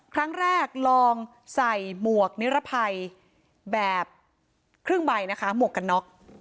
ครั้งแรกลองใส่หมวกนิรภัยแบบครึ่งใบนะคะหมวกกันน็อก